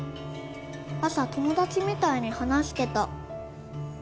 朝友達みたいに話してた。